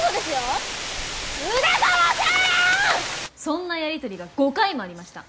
そんなやり取りが５回もありました。